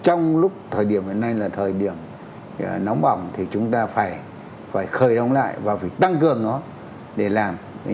trong lúc thời điểm hiện nay là thời điểm nóng bỏng thì chúng ta phải khởi động lại và phải tăng cường nó để làm